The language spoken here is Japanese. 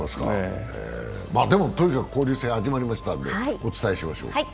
とにかく交流戦、始まりましたんでお伝えしましょう。